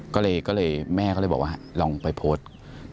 ก็เลยแม่ก็เลยบอกว่าลองไปโพสต์